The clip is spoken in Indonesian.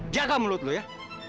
jaga mulut lu ya